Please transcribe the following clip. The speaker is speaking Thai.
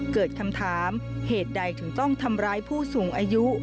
เกิดคำถามเหตุใดถึงต้องทำร้ายผู้สูงอายุ